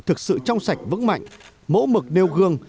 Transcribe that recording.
thực sự trong sạch vững mạnh mẫu mực nêu gương